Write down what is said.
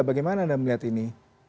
bagaimana anda melihat ini